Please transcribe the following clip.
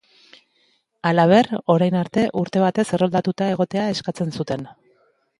Halaber, orain arte urte batez erroldatuta egotea eskatzen zuten.